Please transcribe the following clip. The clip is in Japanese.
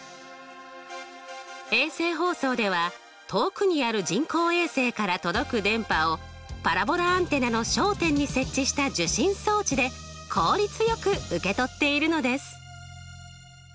衛星放送では遠くにある人工衛星から届く電波をパラボラアンテナの焦点に設置した受信装置で効率よく受け取っているのです。